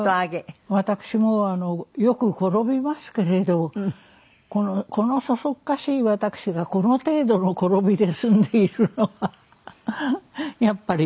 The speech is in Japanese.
私もよく転びますけれどこのそそっかしい私がこの程度の転びで済んでいるのはやっぱり。